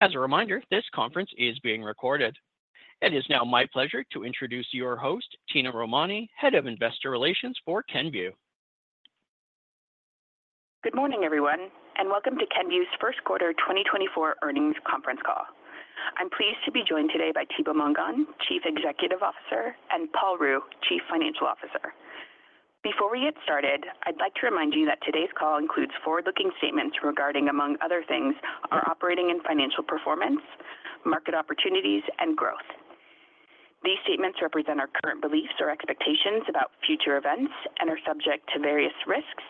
As a reminder, this conference is being recorded. It is now my pleasure to introduce your host, Tina Romani, Head of Investor Relations for Kenvue. Good morning, everyone, and welcome to Kenvue's Q1 2024 earnings conference call. I'm pleased to be joined today by Thibaut Mongon, Chief Executive Officer, and Paul Ruh, Chief Financial Officer. Before we get started, I'd like to remind you that today's call includes forward-looking statements regarding, among other things, our operating and financial performance, market opportunities, and growth. These statements represent our current beliefs or expectations about future events and are subject to various risks,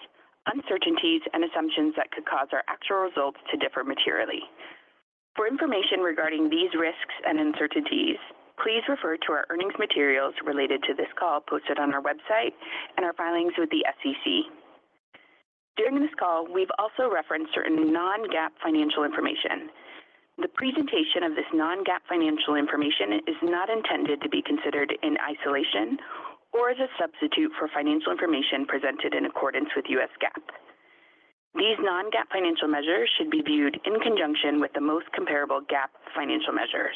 uncertainties, and assumptions that could cause our actual results to differ materially. For information regarding these risks and uncertainties, please refer to our earnings materials related to this call posted on our website and our filings with the SEC. During this call, we've also referenced certain non-GAAP financial information. The presentation of this non-GAAP financial information is not intended to be considered in isolation or as a substitute for financial information presented in accordance with U.S. GAAP. These non-GAAP financial measures should be viewed in conjunction with the most comparable GAAP financial measures.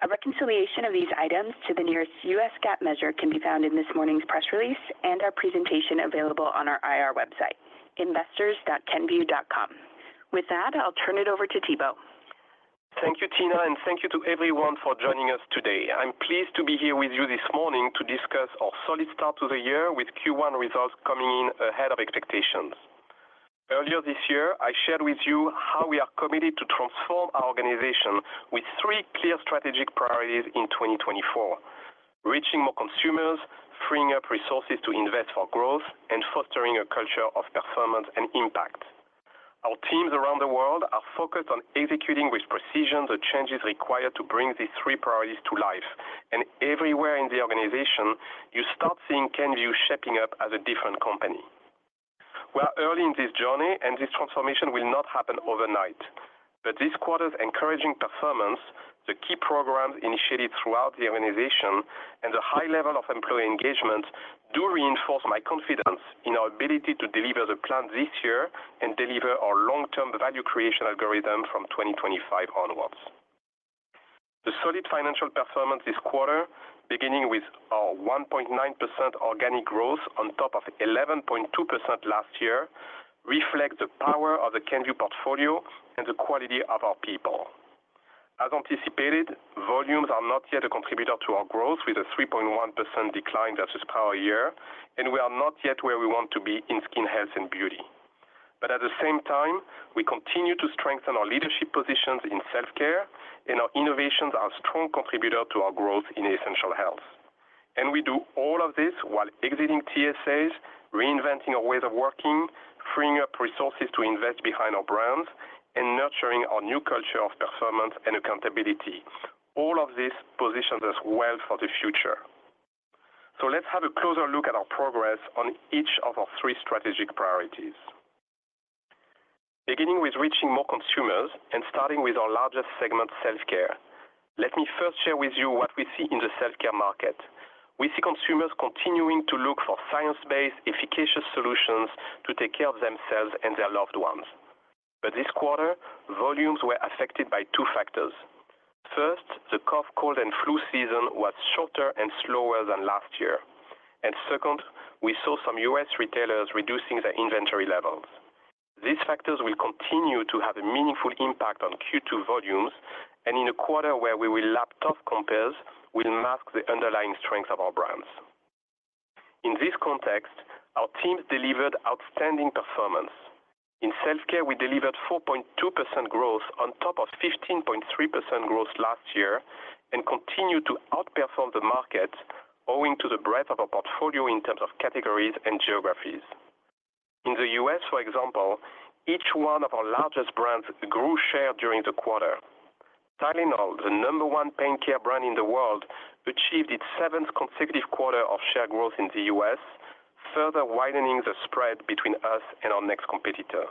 A reconciliation of these items to the nearest U.S. GAAP measure can be found in this morning's press release and our presentation available on our IR website, investors.kenvue.com. With that, I'll turn it over to Thibaut. Thank you, Tina, and thank you to everyone for joining us today. I'm pleased to be here with you this morning to discuss our solid start to the year with Q1 results coming in ahead of expectations. Earlier this year, I shared with you how we are committed to transform our organization with three clear strategic priorities in 2024: reaching more consumers, freeing up resources to invest for growth, and fostering a culture of performance and impact. Our teams around the world are focused on executing with precision the changes required to bring these three priorities to life, and everywhere in the organization, you start seeing Kenvue shaping up as a different company. We are early in this journey, and this transformation will not happen overnight. But this quarter's encouraging performance, the key programs initiated throughout the organization, and the high level of employee engagement do reinforce my confidence in our ability to deliver the plan this year and deliver our long-term value creation algorithm from 2025 onwards. The solid financial performance this quarter, beginning with our 1.9% organic growth on top of 11.2% last year, reflects the power of the Kenvue portfolio and the quality of our people. As anticipated, volumes are not yet a contributor to our growth, with a 3.1% decline versus prior year, and we are not yet where we want to be in Skin Health and Beauty. But at the same time, we continue to strengthen our leadership positions in Self Care, and our innovations are a strong contributor to our growth in Essential Health. We do all of this while exiting TSAs, reinventing our ways of working, freeing up resources to invest behind our brands, and nurturing our new culture of performance and accountability. All of this positions us well for the future. Let's have a closer look at our progress on each of our three strategic priorities. Beginning with reaching more consumers and starting with our largest segment, Self Care. Let me first share with you what we see in the Self Care market. We see consumers continuing to look for science-based, efficacious solutions to take care of themselves and their loved ones. But this quarter, volumes were affected by two factors. First, the cough, cold, and flu season was shorter and slower than last year. And second, we saw some U.S. retailers reducing their inventory levels. These factors will continue to have a meaningful impact on Q2 volumes and in a quarter where we will lap tough compares, will mask the underlying strength of our brands. In this context, our teams delivered outstanding performance. In Self Care, we delivered 4.2% growth on top of 15.3% growth last year and continued to outperform the market, owing to the breadth of our portfolio in terms of categories and geographies. In the U.S., for example, each one of our largest brands grew share during the quarter. Tylenol, the number one pain care brand in the world, achieved its seventh consecutive quarter of share growth in the U.S., further widening the spread between us and our next competitor.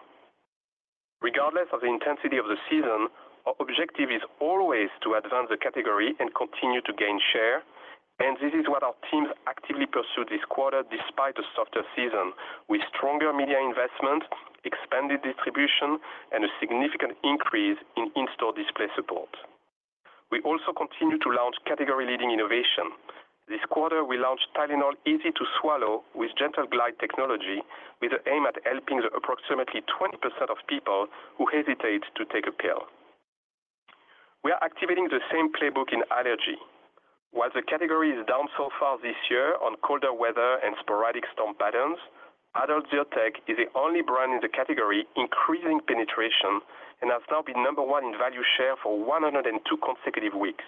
Regardless of the intensity of the season, our objective is always to advance the category and continue to gain share, and this is what our teams actively pursued this quarter despite a softer season, with stronger media investment, expanded distribution, and a significant increase in in-store display support. We also continue to launch category-leading innovation. This quarter, we launched Tylenol Easy to Swallow with Gentle Glide technology, with an aim at helping the approximately 20% of people who hesitate to take a pill. We are activating the same playbook in allergy. While the category is down so far this year on colder weather and sporadic storm patterns, Adult Zyrtec is the only brand in the category increasing penetration and has now been number one in value share for 102 consecutive weeks.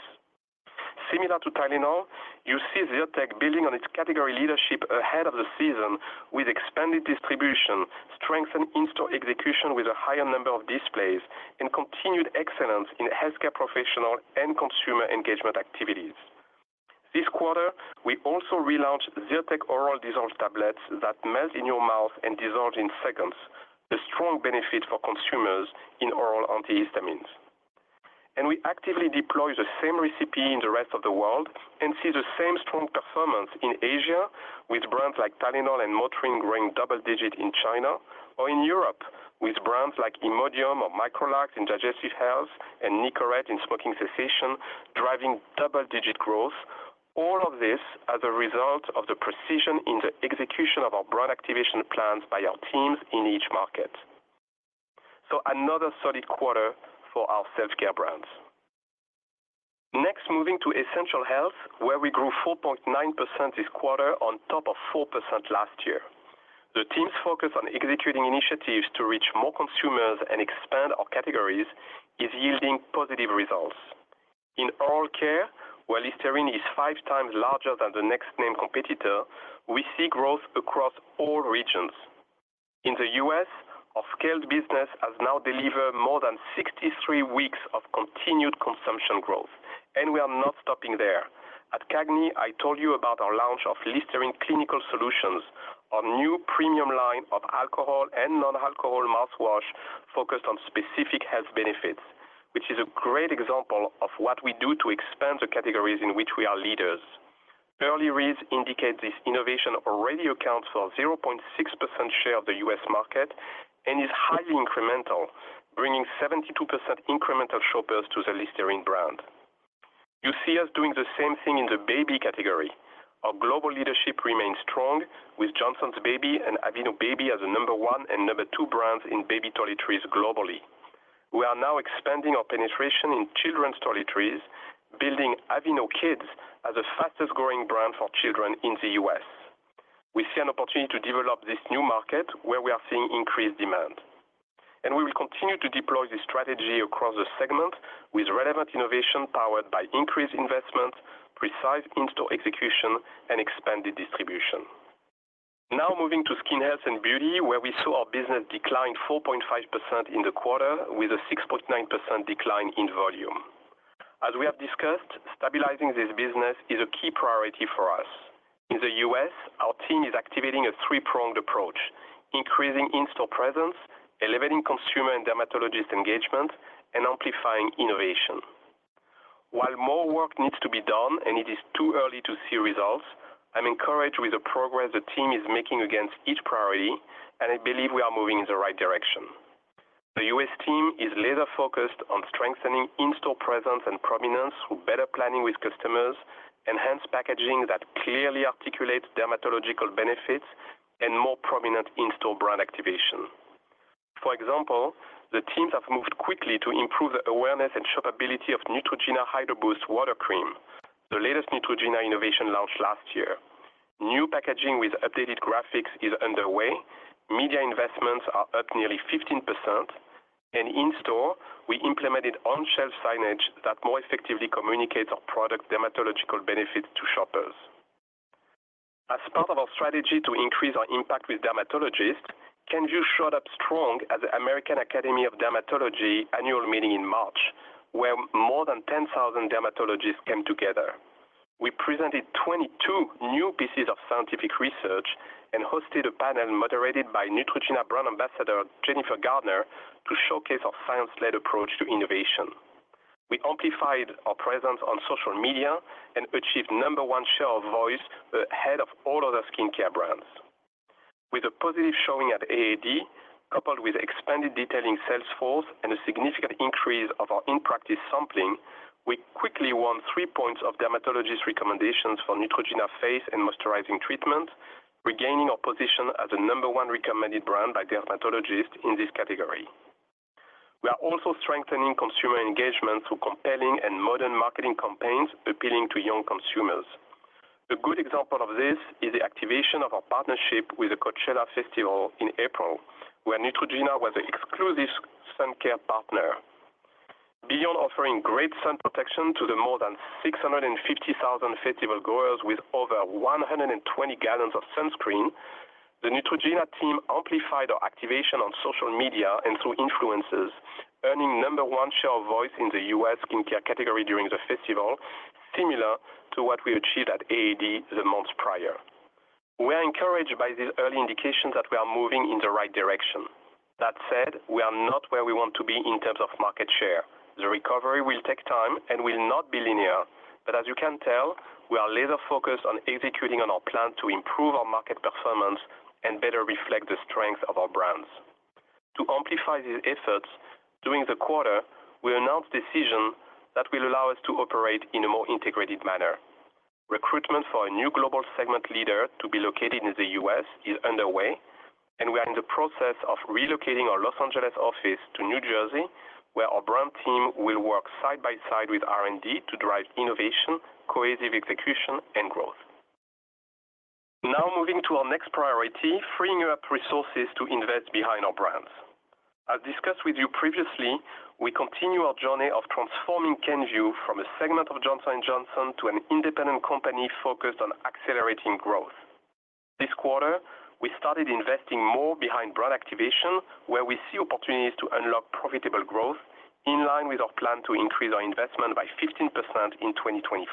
Similar to Tylenol, you see Zyrtec building on its category leadership ahead of the season with expanded distribution, strengthened in-store execution with a higher number of displays, and continued excellence in healthcare professional and consumer engagement activities. This quarter, we also relaunched Zyrtec Oral Dissolve tablets that melt in your mouth and dissolve in seconds, a strong benefit for consumers in oral antihistamines.... And we actively deploy the same recipe in the rest of the world and see the same strong performance in Asia, with brands like Tylenol and Motrin growing double digits in China, or in Europe, with brands like Imodium or Microlax in digestive health and Nicorette in smoking cessation, driving double-digit growth. All of this as a result of the precision in the execution of our brand activation plans by our teams in each market. So another solid quarter for our self-care brands. Next, moving to essential health, where we grew 4.9% this quarter on top of 4% last year. The team's focus on executing initiatives to reach more consumers and expand our categories is yielding positive results. In oral care, while Listerine is five times larger than the next name competitor, we see growth across all regions. In the U.S., our scaled business has now delivered more than 63 weeks of continued consumption growth, and we are not stopping there. At CAGNY, I told you about our launch of Listerine Clinical Solutions, our new premium line of alcohol and non-alcohol mouthwash focused on specific health benefits, which is a great example of what we do to expand the categories in which we are leaders. Early reads indicate this innovation already accounts for 0.6% share of the U.S. market and is highly incremental, bringing 72% incremental shoppers to the Listerine brand. You see us doing the same thing in the baby category. Our global leadership remains strong with Johnson's Baby and Aveeno Baby as the number one and number two brands in baby toiletries globally. We are now expanding our penetration in children's toiletries, building Aveeno Kids as the fastest-growing brand for children in the U.S. We see an opportunity to develop this new market where we are seeing increased demand, and we will continue to deploy this strategy across the segment with relevant innovation powered by increased investment, precise in-store execution, and expanded distribution. Now moving to Skin Health and Beauty, where we saw our business decline 4.5% in the quarter with a 6.9% decline in volume. As we have discussed, stabilizing this business is a key priority for us. In the U.S., our team is activating a 3-pronged approach, increasing in-store presence, elevating consumer and dermatologist engagement, and amplifying innovation. While more work needs to be done and it is too early to see results, I'm encouraged with the progress the team is making against each priority, and I believe we are moving in the right direction. The U.S. team is laser-focused on strengthening in-store presence and prominence through better planning with customers, enhanced packaging that clearly articulates dermatological benefits, and more prominent in-store brand activation. For example, the teams have moved quickly to improve the awareness and shoppability of Neutrogena Hydro Boost Water Cream, the latest Neutrogena innovation launched last year. New packaging with updated graphics is underway. Media investments are up nearly 15%, and in-store, we implemented on-shelf signage that more effectively communicates our product dermatological benefits to shoppers. As part of our strategy to increase our impact with dermatologists, Kenvue showed up strong at the American Academy of Dermatology annual meeting in March, where more than 10,000 dermatologists came together. We presented 22 new pieces of scientific research and hosted a panel moderated by Neutrogena brand ambassador, Jennifer Garner, to showcase our science-led approach to innovation. We amplified our presence on social media and achieved number one share of voice ahead of all other skincare brands. With a positive showing at AAD, coupled with expanded detailing sales force and a significant increase of our in-practice sampling, we quickly won three points of dermatologists' recommendations for Neutrogena face and moisturizing treatment, regaining our position as the number one recommended brand by dermatologists in this category. We are also strengthening consumer engagement through compelling and modern marketing campaigns appealing to young consumers. A good example of this is the activation of our partnership with the Coachella Festival in April, where Neutrogena was the exclusive sun care partner. Beyond offering great sun protection to the more than 650,000 festival goers with over 120 gallons of sunscreen, the Neutrogena team amplified our activation on social media and through influencers, earning number one share of voice in the U.S. skincare category during the festival, similar to what we achieved at AAD the months prior. We are encouraged by these early indications that we are moving in the right direction. That said, we are not where we want to be in terms of market share. The recovery will take time and will not be linear, but as you can tell, we are laser-focused on executing on our plan to improve our market performance and better reflect the strength of our brands. To amplify these efforts, during the quarter, we announced decision that will allow us to operate in a more integrated manner. Recruitment for a new global segment leader to be located in the U.S. is underway, and we are in the process of relocating our Los Angeles office to New Jersey, where our brand team will work side by side with R&D to drive innovation, cohesive execution, and growth. Now, moving to our next priority, freeing up resources to invest behind our brands. As discussed with you previously, we continue our journey of transforming Kenvue from a segment of Johnson & Johnson to an independent company focused on accelerating growth. This quarter, we started investing more behind brand activation, where we see opportunities to unlock profitable growth in line with our plan to increase our investment by 15% in 2024,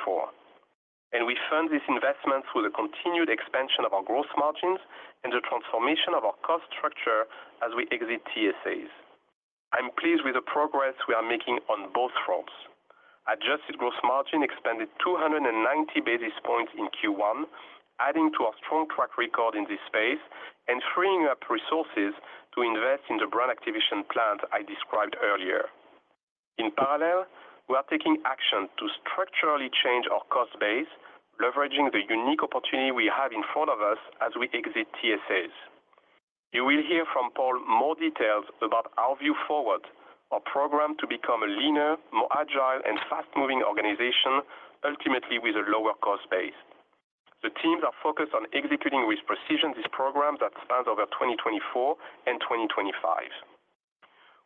and we fund this investment through the continued expansion of our gross margins and the transformation of our cost structure as we exit TSAs. I'm pleased with the progress we are making on both fronts. Adjusted Gross Margin expanded 290 basis points in Q1, adding to our strong track record in this space and freeing up resources to invest in the brand activation plans I described earlier. In parallel, we are taking action to structurally change our cost base, leveraging the unique opportunity we have in front of us as we exit TSAs. You will hear from Paul more details about Our View Forward, our program to become a leaner, more agile, and fast-moving organization, ultimately with a lower cost base. The teams are focused on executing with precision this program that spans over 2024 and 2025.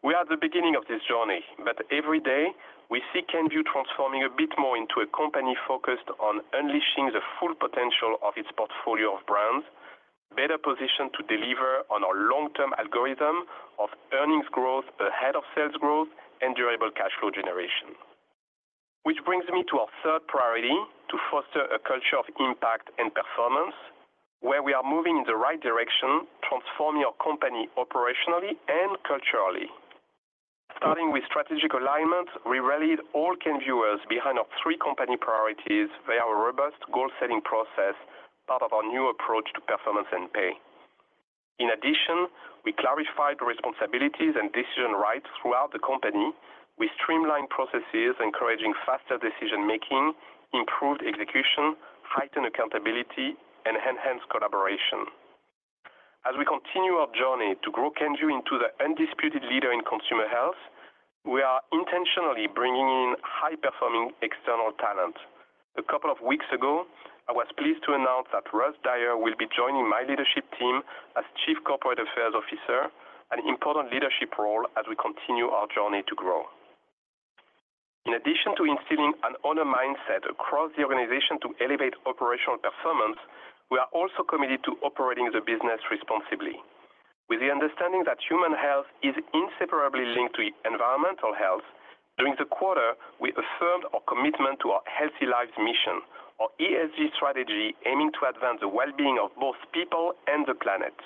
We are at the beginning of this journey, but every day we see Kenvue transforming a bit more into a company focused on unleashing the full potential of its portfolio of brands, better positioned to deliver on our long-term algorithm of earnings growth ahead of sales growth and durable cash flow generation. Which brings me to our third priority, to foster a culture of impact and performance, where we are moving in the right direction, transforming our company operationally and culturally. Starting with strategic alignment, we rallied all Kenvuers behind our three company priorities via our robust goal-setting process, part of our new approach to performance and pay. In addition, we clarified responsibilities and decision rights throughout the company. We streamlined processes, encouraging faster decision-making, improved execution, heightened accountability, and enhanced collaboration. As we continue our journey to grow Kenvue into the undisputed leader in consumer health, we are intentionally bringing in high-performing external talent. A couple of weeks ago, I was pleased to announce that Russ Dyer will be joining my leadership team as Chief Corporate Affairs Officer, an important leadership role as we continue our journey to grow. In addition to instilling an owner mindset across the organization to elevate operational performance, we are also committed to operating the business responsibly. With the understanding that human health is inseparably linked to environmental health, during the quarter, we affirmed our commitment to our Healthy Lives Mission, our ESG strategy, aiming to advance the well-being of both people and the planet.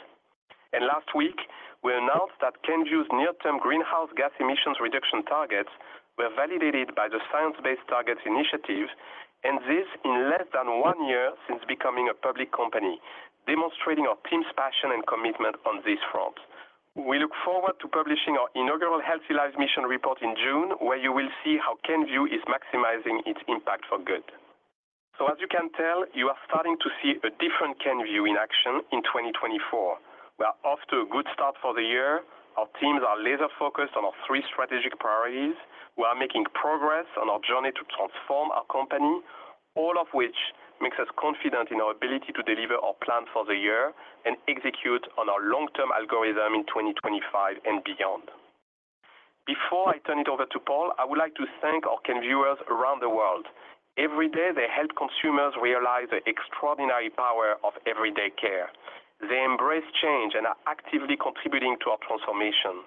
Last week, we announced that Kenvue's near-term greenhouse gas emissions reduction targets were validated by the Science Based Targets initiative, and this in less than 1 year since becoming a public company, demonstrating our team's passion and commitment on this front. We look forward to publishing our inaugural Healthy Lives Mission report in June, where you will see how Kenvue is maximizing its impact for good. As you can tell, you are starting to see a different Kenvue in action in 2024. We are off to a good start for the year. Our teams are laser-focused on our three strategic priorities. We are making progress on our journey to transform our company, all of which makes us confident in our ability to deliver our plan for the year and execute on our long-term algorithm in 2025 and beyond. Before I turn it over to Paul, I would like to thank our Kenvuers around the world. Every day, they help consumers realize the extraordinary power of everyday care. They embrace change and are actively contributing to our transformation.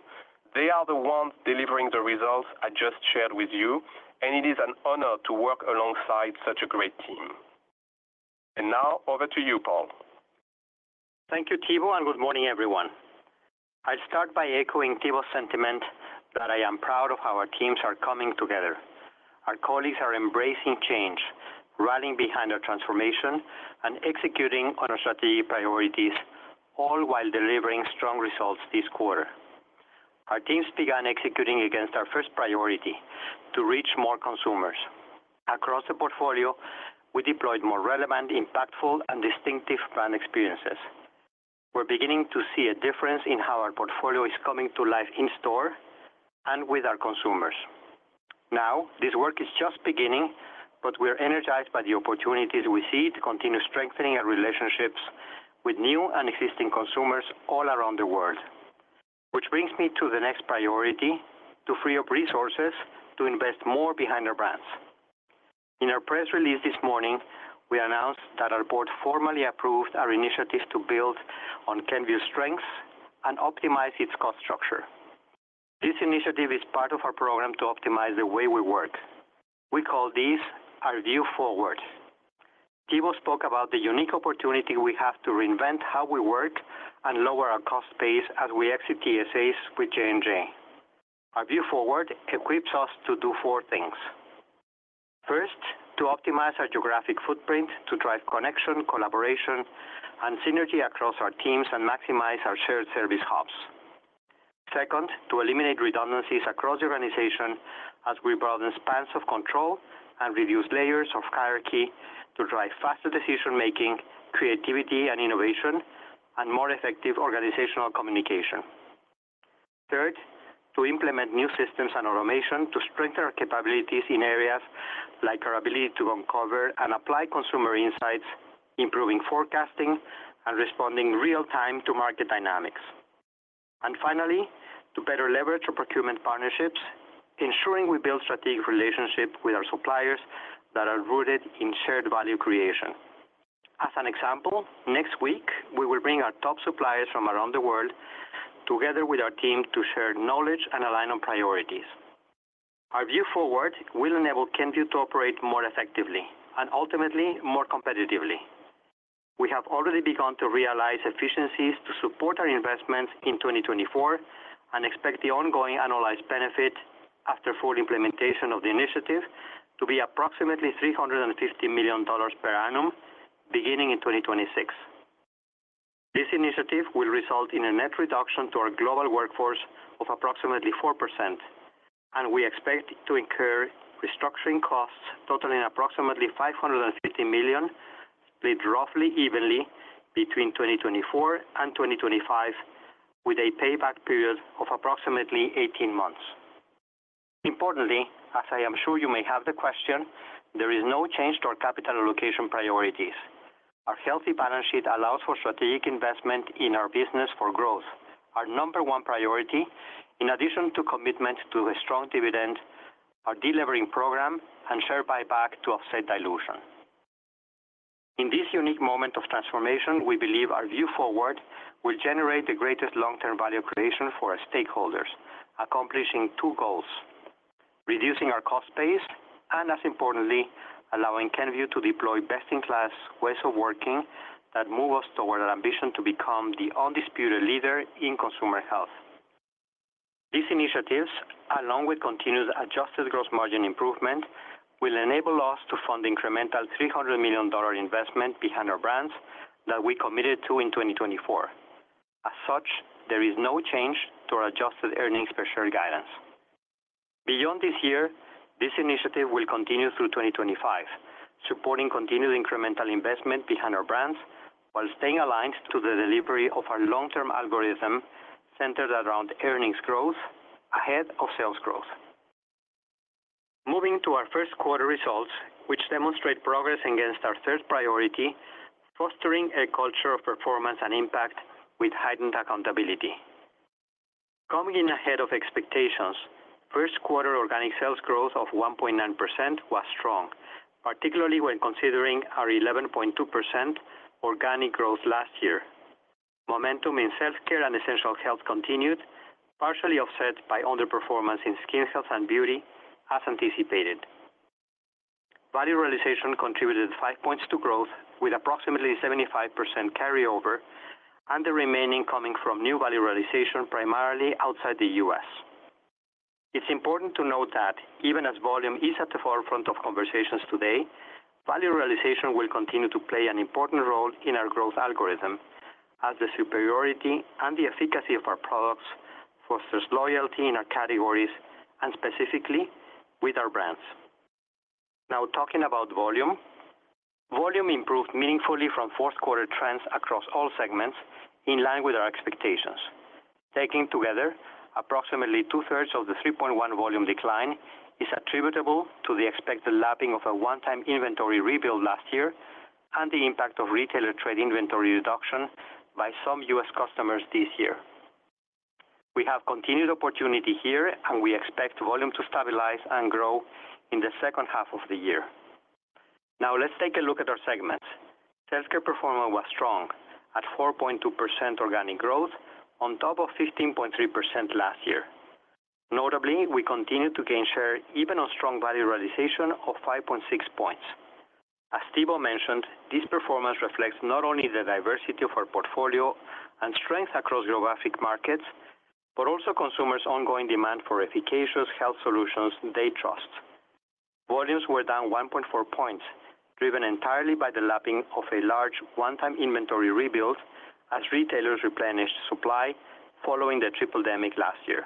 They are the ones delivering the results I just shared with you, and it is an honor to work alongside such a great team. And now over to you, Paul. Thank you, Thibaut, and good morning, everyone. I'll start by echoing Thibaut's sentiment that I am proud of how our teams are coming together. Our colleagues are embracing change, rallying behind our transformation, and executing on our strategic priorities, all while delivering strong results this quarter. Our teams began executing against our first priority, to reach more consumers. Across the portfolio, we deployed more relevant, impactful, and distinctive brand experiences. We're beginning to see a difference in how our portfolio is coming to life in store and with our consumers. Now, this work is just beginning, but we're energized by the opportunities we see to continue strengthening our relationships with new and existing consumers all around the world. Which brings me to the next priority, to free up resources to invest more behind our brands. In our press release this morning, we announced that our board formally approved our initiatives to build on Kenvue's strengths and optimize its cost structure. This initiative is part of our program to optimize the way we work. We call this Our View Forward. Thibaut spoke about the unique opportunity we have to reinvent how we work and lower our cost base as we exit TSAs with J&J. Our View Forward equips us to do four things. First, to optimize our geographic footprint to drive connection, collaboration, and synergy across our teams and maximize our shared service hubs. Second, to eliminate redundancies across the organization as we broaden spans of control and reduce layers of hierarchy to drive faster decision-making, creativity and innovation, and more effective organizational communication. Third, to implement new systems and automation to strengthen our capabilities in areas like our ability to uncover and apply consumer insights, improving forecasting and responding real time to market dynamics. And finally, to better leverage our procurement partnerships, ensuring we build strategic relationships with our suppliers that are rooted in shared value creation. As an example, next week, we will bring our top suppliers from around the world together with our team to share knowledge and align on priorities. Our View Forward will enable Kenvue to operate more effectively and ultimately more competitively. We have already begun to realize efficiencies to support our investments in 2024, and expect the ongoing annualized benefit after full implementation of the initiative to be approximately $350 million per annum, beginning in 2026. This initiative will result in a net reduction to our global workforce of approximately 4%, and we expect to incur restructuring costs totaling approximately $550 million, split roughly evenly between 2024 and 2025, with a payback period of approximately 18 months. Importantly, as I am sure you may have the question, there is no change to our capital allocation priorities. Our healthy balance sheet allows for strategic investment in our business for growth, our number one priority, in addition to commitment to a strong dividend, our delivering program and share buyback to offset dilution. In this unique moment of transformation, we believe Our View Forward will generate the greatest long-term value creation for our stakeholders, accomplishing two goals: reducing our cost base, and as importantly, allowing Kenvue to deploy best-in-class ways of working that move us toward our ambition to become the undisputed leader in consumer health. These initiatives, along with continued Adjusted Gross Margin improvement, will enable us to fund the incremental $300 million investment behind our brands that we committed to in 2024. As such, there is no change to our Adjusted Earnings Per Share guidance. Beyond this year, this initiative will continue through 2025, supporting continued incremental investment behind our brands while staying aligned to the delivery of our long-term algorithm, centered around earnings growth ahead of sales growth. Moving to our Q1 results, which demonstrate progress against our third priority, fostering a culture of performance and impact with heightened accountability. Coming in ahead of expectations, Q1 organic sales growth of 1.9% was strong, particularly when considering our 11.2% organic growth last year. Momentum in self-care and essential health continued, partially offset by underperformance in skin health and beauty, as anticipated. Value realization contributed five points to growth, with approximately 75% carryover and the remaining coming from new value realization, primarily outside the U.S. It's important to note that even as volume is at the forefront of conversations today, value realization will continue to play an important role in our growth algorithm as the superiority and the efficacy of our products fosters loyalty in our categories and specifically with our brands. Now, talking about volume. Volume improved meaningfully from Q4 trends across all segments, in line with our expectations. Taken together, approximately 2/3 of the 3.1 volume decline is attributable to the expected lapping of a one-time inventory rebuild last year and the impact of retailer trade inventory reduction by some U.S. customers this year. We have continued opportunity here, and we expect volume to stabilize and grow in the H2 of the year. Now let's take a look at our segments. Self Care performance was strong, at 4.2% organic growth on top of 15.3% last year. Notably, we continued to gain share even on strong value realization of 5.6 points. As Thibaut mentioned, this performance reflects not only the diversity of our portfolio and strength across geographic markets, but also consumers' ongoing demand for efficacious health solutions they trust. Volumes were down 1.4 points, driven entirely by the lapping of a large one-time inventory rebuild as retailers replenished supply following the triple-demic last year.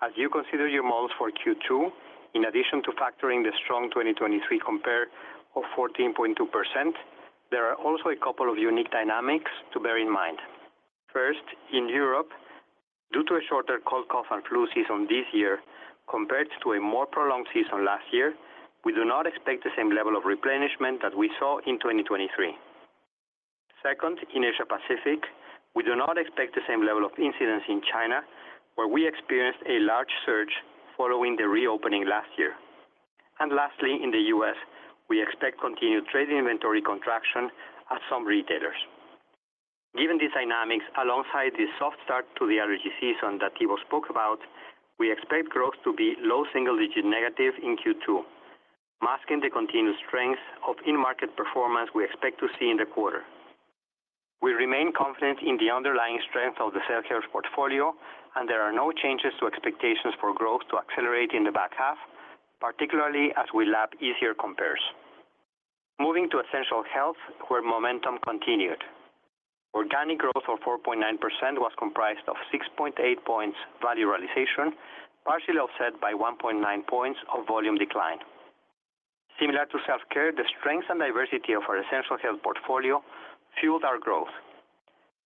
As you consider your models for Q2, in addition to factoring the strong 2023 compare of 14.2%, there are also a couple of unique dynamics to bear in mind. First, in Europe, due to a shorter cold, cough and flu season this year, compared to a more prolonged season last year, we do not expect the same level of replenishment that we saw in 2023. Second, in Asia Pacific, we do not expect the same level of incidence in China, where we experienced a large surge following the reopening last year. And lastly, in the US, we expect continued trade inventory contraction at some retailers. Given these dynamics, alongside the soft start to the allergy season that Thibaut spoke about, we expect growth to be low single digit negative in Q2, masking the continued strength of in-market performance we expect to see in the quarter. We remain confident in the underlying strength of the Self Care portfolio, and there are no changes to expectations for growth to accelerate in the back half, particularly as we lap easier compares. Moving to Essential Health, where momentum continued. Organic growth of 4.9% was comprised of 6.8 points value realization, partially offset by 1.9 points of volume decline. Similar to Self Care, the strength and diversity of our Essential Health portfolio fueled our growth.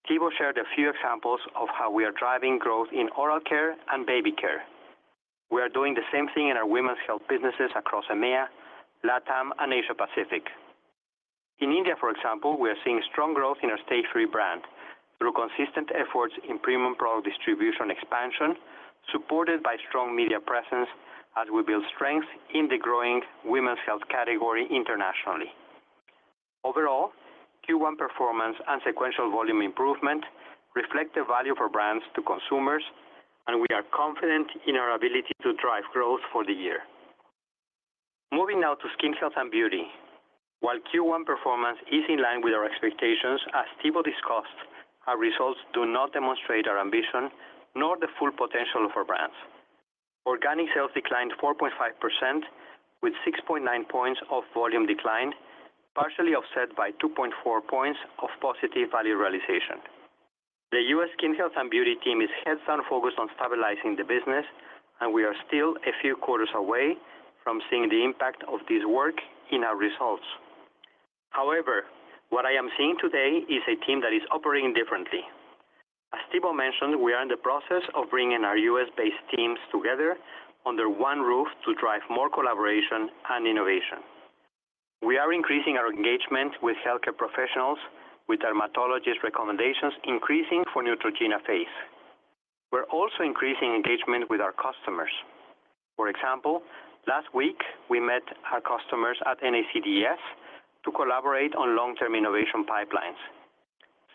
Thibaut shared a few examples of how we are driving growth in oral care and baby care. We are doing the same thing in our women's health businesses across EMEA, LATAM, and Asia Pacific. In India, for example, we are seeing strong growth in our Stayfree brand. Through consistent efforts in premium product distribution expansion, supported by strong media presence as we build strength in the growing women's health category internationally. Overall, Q1 performance and sequential volume improvement reflect the value for brands to consumers, and we are confident in our ability to drive growth for the year. Moving now to skin health and beauty. While Q1 performance is in line with our expectations, as Thibaut discussed, our results do not demonstrate our ambition, nor the full potential of our brands. Organic sales declined 4.5%, with 6.9 points of volume decline, partially offset by 2.4 points of positive value realization. The U.S. Skin Health and Beauty team is heads down, focused on stabilizing the business, and we are still a few quarters away from seeing the impact of this work in our results. However, what I am seeing today is a team that is operating differently. As Thibaut Mongon mentioned, we are in the process of bringing our U.S.-based teams together under one roof to drive more collaboration and innovation. We are increasing our engagement with healthcare professionals, with dermatologist recommendations increasing for Neutrogena face. We're also increasing engagement with our customers. For example, last week we met our customers at NACDS to collaborate on long-term innovation pipelines.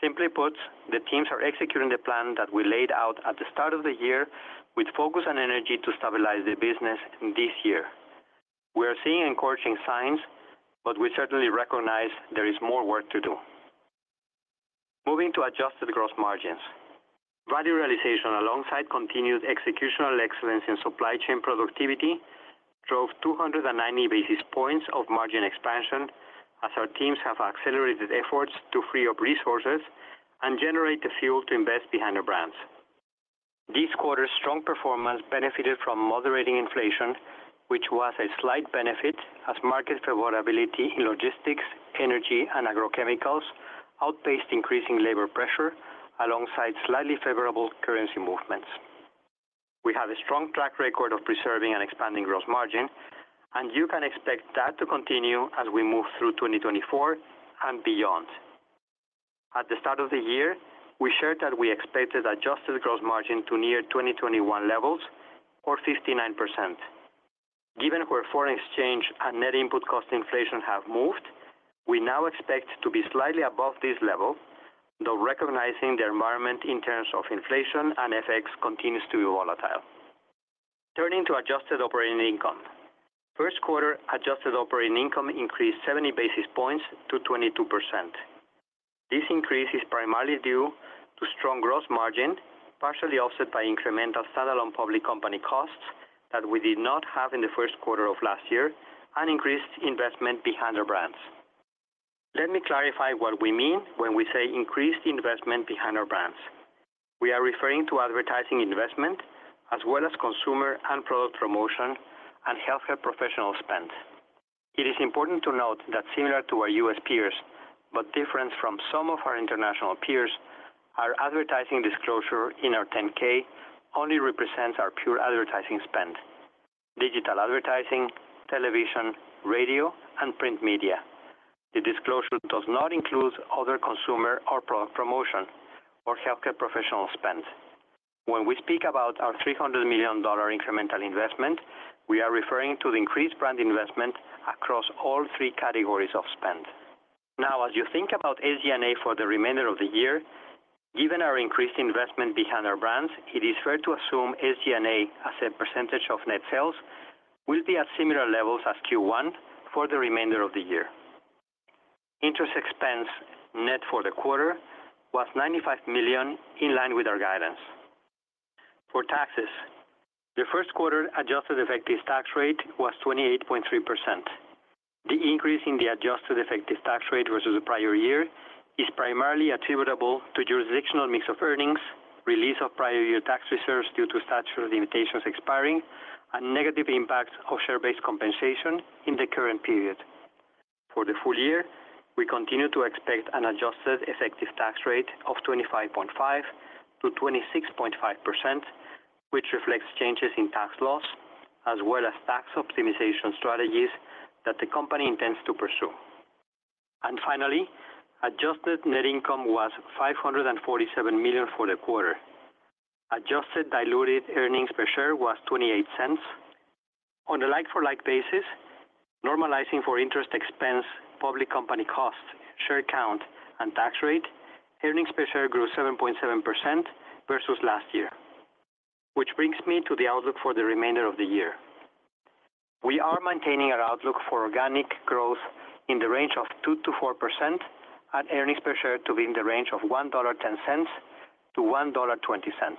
Simply put, the teams are executing the plan that we laid out at the start of the year, with focus and energy to stabilize the business in this year. We are seeing encouraging signs, but we certainly recognize there is more work to do. Moving to Adjusted Gross Margin. Value Realization, alongside continued executional excellence in supply chain productivity, drove 290 basis points of margin expansion as our teams have accelerated efforts to free up resources and generate the fuel to invest behind our brands. This quarter's strong performance benefited from moderating inflation, which was a slight benefit as market favorability in logistics, energy, and agrochemicals outpaced increasing labor pressure alongside slightly favorable currency movements. We have a strong track record of preserving and expanding gross margin, and you can expect that to continue as we move through 2024 and beyond. At the start of the year, we shared that we expected Adjusted Gross Margin to near 2021 levels or 59%. Given where foreign exchange and net input cost inflation have moved, we now expect to be slightly above this level, though recognizing the environment in terms of inflation and FX continues to be volatile. Turning to adjusted operating income. Q1 adjusted operating income increased 70 basis points to 22%. This increase is primarily due to strong gross margin, partially offset by incremental standalone public company costs that we did not have in the Q1 of last year, and increased investment behind our brands. Let me clarify what we mean when we say increased investment behind our brands. We are referring to advertising investment as well as consumer and product promotion and healthcare professional spend. It is important to note that similar to our U.S. peers, but different from some of our international peers, our advertising disclosure in our 10-K only represents our pure advertising spend: digital advertising, television, radio, and print media. The disclosure does not include other consumer or pro-promotion or healthcare professional spend. When we speak about our $300 million incremental investment, we are referring to the increased brand investment across all three categories of spend. Now, as you think about SG&A for the remainder of the year, given our increased investment behind our brands, it is fair to assume SG&A, as a percentage of net sales, will be at similar levels as Q1 for the remainder of the year. Interest expense net for the quarter was $95 million, in line with our guidance. For taxes, the Q1 adjusted effective tax rate was 28.3%. The increase in the adjusted effective tax rate versus the prior year is primarily attributable to jurisdictional mix of earnings, release of prior year tax reserves due to statutory limitations expiring, and negative impacts of share-based compensation in the current period. For the full year, we continue to expect an adjusted effective tax rate of 25.5%-26.5%, which reflects changes in tax laws as well as tax optimization strategies that the company intends to pursue. And finally, adjusted net income was $547 million for the quarter. Adjusted diluted earnings per share was $0.28. On a like-for-like basis, normalizing for interest expense, public company costs, share count, and tax rate, earnings per share grew 7.7% versus last year. Which brings me to the outlook for the remainder of the year. We are maintaining our outlook for organic growth in the range of 2%-4%, and earnings per share to be in the range of $1.10-$1.20.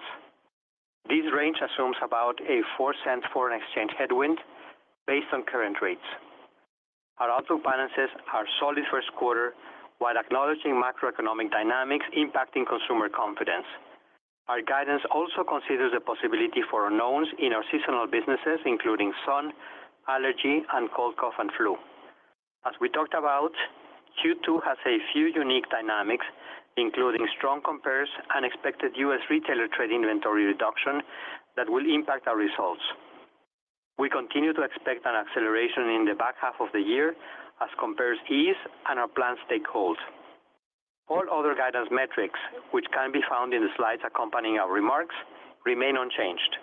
This range assumes about a $0.04 foreign exchange headwind based on current rates. Our outlook balances our solid Q1, while acknowledging macroeconomic dynamics impacting consumer confidence. Our guidance also considers the possibility for unknowns in our seasonal businesses, including sun, allergy, and cold, cough, and flu. As we talked about, Q2 has a few unique dynamics, including strong compares and expected U.S. retailer trade inventory reduction that will impact our results. We continue to expect an acceleration in the back half of the year as compares ease and our plans take hold. All other guidance metrics, which can be found in the slides accompanying our remarks, remain unchanged.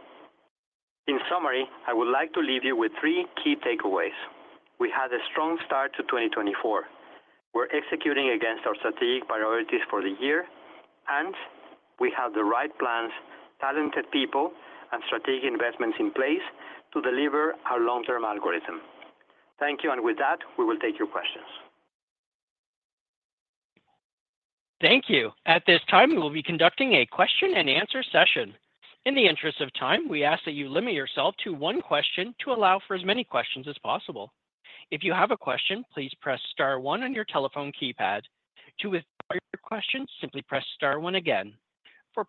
In summary, I would like to leave you with three key takeaways. We had a strong start to 2024. We're executing against our strategic priorities for the year, and we have the right plans, talented people, and strategic investments in place to deliver our long-term algorithm. Thank you, and with that, we will take your questions. Thank you. At this time, we will be conducting a question-and-answer session. In the interest of time, we ask that you limit yourself to one question to allow for as many questions as possible. If you have a question, please press star one on your telephone keypad. To withdraw your question, simply press star one again. For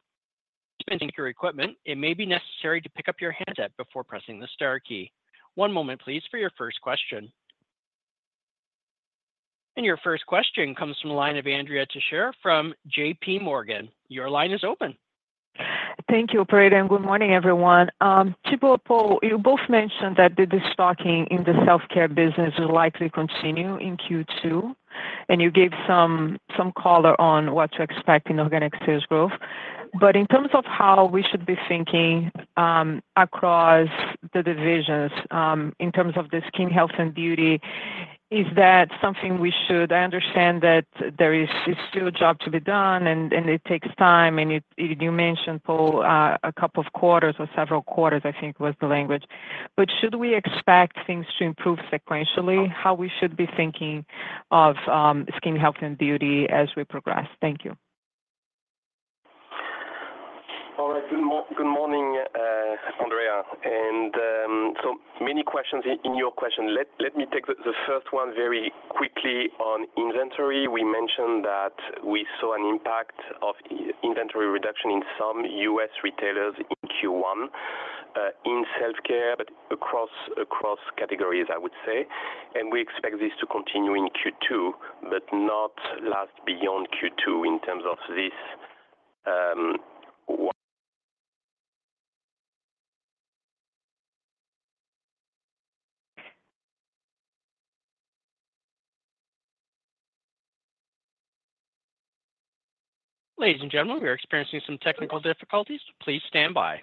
your equipment, it may be necessary to pick up your handset before pressing the star key. One moment, please, for your first question. Your first question comes from the line of Andrea Teixeira from JPMorgan. Your line is open. Thank you, operator, and good morning, everyone. Thibaut, Paul, you both mentioned that the destocking in the self-care business will likely continue in Q2, and you gave some color on what to expect in organic sales growth. But in terms of how we should be thinking across the divisions, in terms of the Skin Health and Beauty, is that something we should understand that there is still a job to be done, and it takes time, and it, you mentioned, Paul, a couple of quarters or several quarters, I think was the language. But should we expect things to improve sequentially? How should we be thinking of Skin Health and Beauty as we progress? Thank you. All right. Good morning, Andrea, and so many questions in your question. Let me take the first one very quickly on inventory. We mentioned that we saw an impact of inventory reduction in some U.S. retailers in Q1, in self-care, but across categories, I would say. And we expect this to continue in Q2, but not last beyond Q2 in terms of this, one- Ladies and gentlemen, we are experiencing some technical difficulties. Please stand by.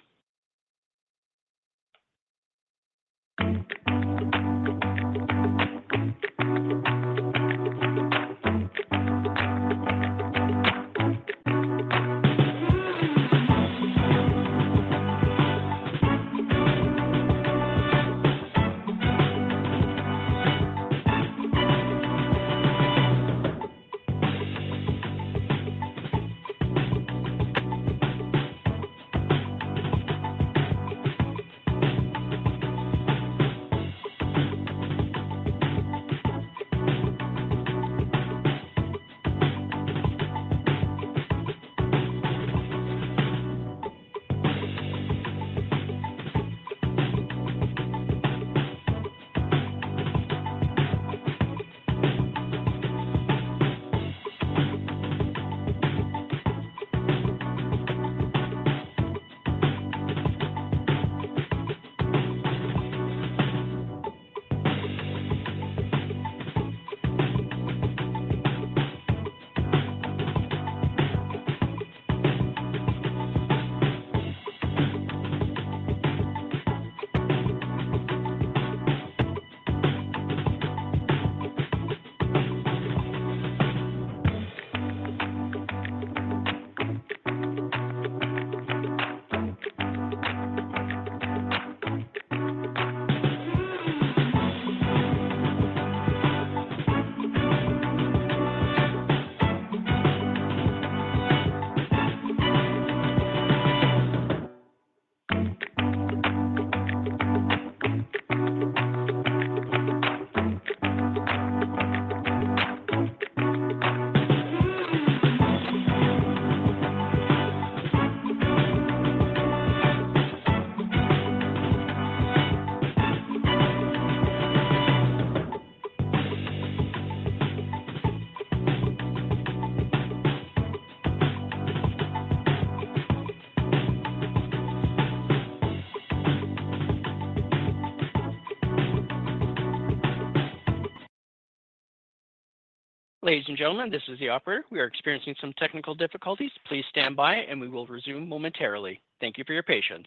Ladies and gentlemen, this is the operator. We are experiencing some technical difficulties. Please stand by, and we will resume momentarily. Thank you for your patience. ...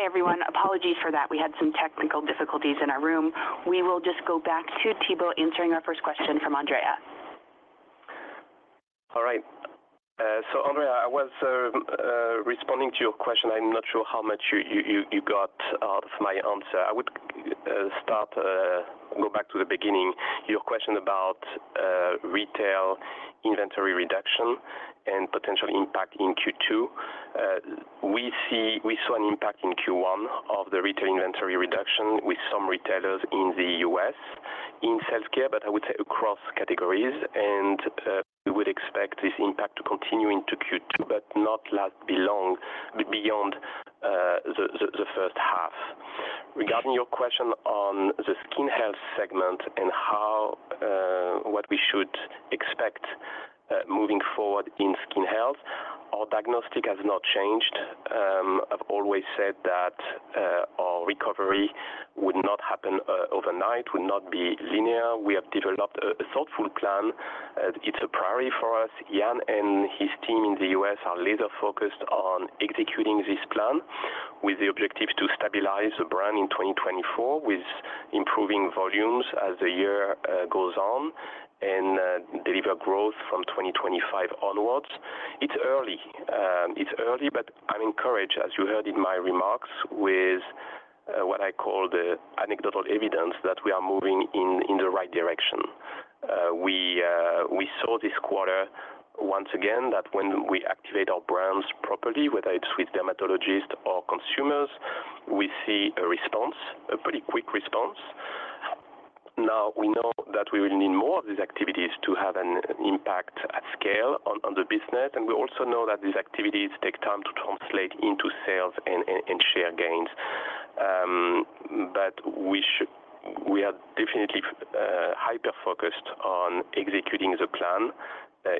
Hi, everyone. Apologies for that. We had some technical difficulties in our room. We will just go back to Thibaut answering our first question from Andrea. All right. So Andrea, I was responding to your question. I'm not sure how much you got out of my answer. I would start, go back to the beginning, your question about retail inventory reduction and potential impact in Q2. We saw an impact in Q1 of the retail inventory reduction with some retailers in the U.S. in healthcare, but I would say across categories, and we would expect this impact to continue into Q2, but not last beyond beyond the H1. Regarding your question on the skin health segment and how what we should expect moving forward in skin health, our diagnostic has not changed. I've always said that our recovery would not happen overnight, would not be linear. We have developed a thoughtful plan. It's a priority for us. Ian and his team in the U.S. are laser focused on executing this plan with the objective to stabilize the brand in 2024, with improving volumes as the year goes on and deliver growth from 2025 onwards. It's early. It's early, but I'm encouraged, as you heard in my remarks, with what I call the anecdotal evidence that we are moving in the right direction. We saw this quarter once again, that when we activate our brands properly, whether it's with dermatologists or consumers, we see a response, a pretty quick response. Now, we know that we will need more of these activities to have an impact at scale on the business, and we also know that these activities take time to translate into sales and share gains. But we are definitely hyper-focused on executing the plan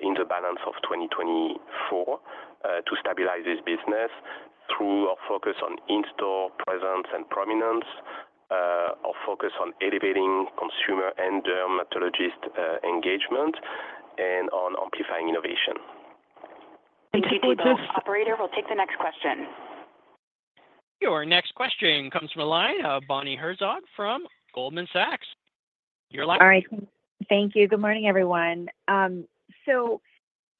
in the balance of 2024 to stabilize this business through our focus on in-store presence and prominence, our focus on elevating consumer and dermatologist engagement, and on amplifying innovation. Thank you, Thibaut. Operator, we'll take the next question. Your next question comes from the line of Bonnie Herzog from Goldman Sachs. You're live. All right. Thank you. Good morning, everyone. So